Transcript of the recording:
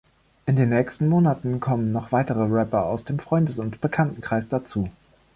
In den nächsten Monaten kommen noch weitere Rapper aus dem Freundes- und Bekanntenkreis dazu.